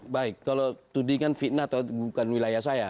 baik kalau tudingan fitnah atau bukan wilayah saya